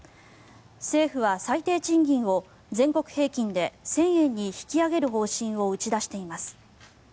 政府は最低賃金を全国平均で１０００円に引き上げる方針を打ち出しています。